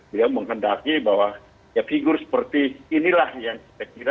beliau menghendaki bahwa ya figur seperti inilah yang saya kira